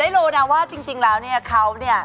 ได้รู้นะว่าจริงแล้วนี้